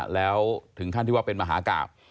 แล้วถึงขั้นที่ว่าเป็นมหากราบ